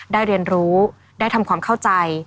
เรียนรู้ได้ทำความเข้าใจ